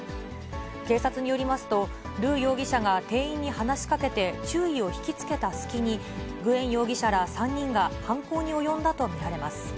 警察によりますと、ルー容疑者が店員に話しかけて注意を引き付けた隙に、グエン容疑者ら３人が犯行に及んだと見られます。